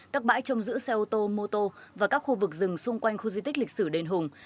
các bãi trông giữ xe ô tô mô tô và các khu vực rừng xung quanh khu di tích lịch sử đền hùng